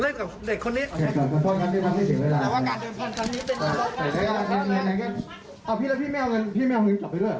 โอเคผมไปแล้วผมไม่มีอะไร